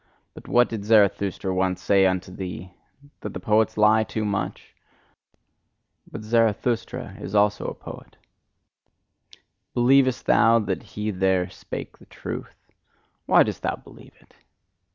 But what did Zarathustra once say unto thee? That the poets lie too much? But Zarathustra also is a poet. Believest thou that he there spake the truth? Why dost thou believe it?"